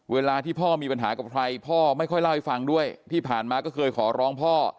เวลาที่พ่อมีปัญหากับใครพ่อไม่ค่อยเล่าให้ฟังด้วยที่ผ่านมาก็เคยขอร้องพ่อ